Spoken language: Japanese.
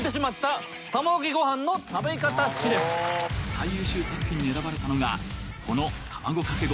「最優秀作品に選ばれたのがこの卵かけご飯」